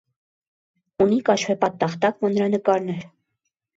Ունի կաշեպատ տախտակ մանրանկարներ։